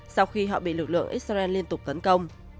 sau khi họ bị lực lượng israel liên tục tấn công